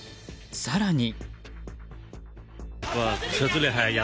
更に。